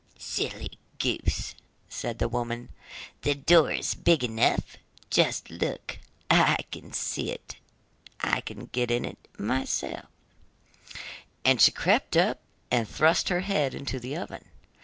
'Silly goose,' said the old woman. 'The door is big enough; just look, I can get in myself!' and she crept up and thrust her head into the oven.